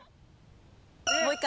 もう１回？